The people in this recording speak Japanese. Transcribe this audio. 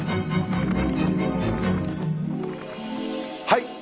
はい！